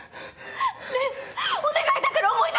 ねえお願いだから思い出して！